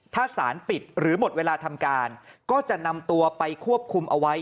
ถ้าสารปิดหรือหมดเวลาทำการก็จะนำตัวไปควบคุมเอาไว้